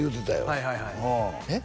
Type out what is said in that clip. はいはいはいえっ？